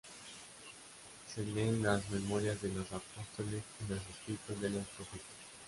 Se leen las memorias de los Apóstoles y los escritos de los Profetas.